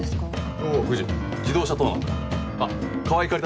おぉ藤自動車盗難だ。